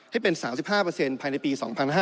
ให้เป็น๓๕ภายในปี๒๕๕๙